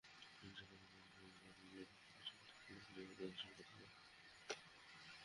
যেকোনো কাজ শুরুর আগে অনেক ভুলের ঝুঁকি থাকে, কঠিন পরিণতির আশঙ্কা থাকে।